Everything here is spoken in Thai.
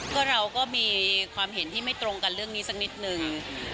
ก็เราก็มีความเห็นที่ไม่ตรงกันเรื่องนี้สักนิดนึง